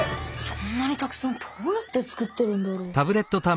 そんなにたくさんどうやってつくってるんだろう？